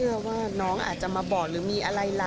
อย่างนี้